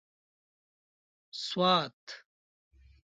سوات